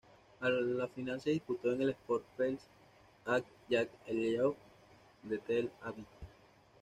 La final se disputó en el Sports Palace at Yad Eliyahu de Tel Aviv.